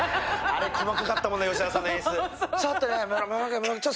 あれ細かかったもんね、吉田さんの演出。